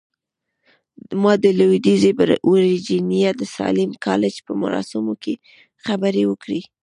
ما د لويديځې ويرجينيا د ساليم کالج په مراسمو کې خبرې وکړې.